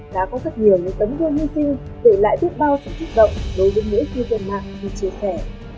đã có rất nhiều những tấm vui như tiêu để lại đút bao sự thích động đối với mỗi người dân mạng khi chia sẻ